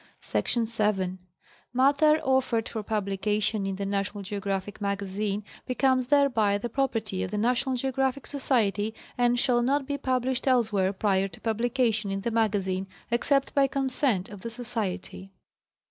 Src. 7. Matter offered for publication in the National Geo graphic Magazine becomes thereby the property of the National Geographic Society and shall not be published elsewhere prior to publication in the Magazine except by consent of the Society.